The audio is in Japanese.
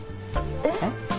えっ？